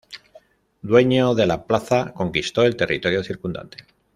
Dueño de la plaza, conquistó el territorio circundante.